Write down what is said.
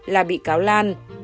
là bị cáo lan